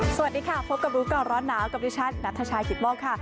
สวัสดีค่ะพบกับร้อนหนาวกับดิฉันนัทชายขีดบอกค่ะ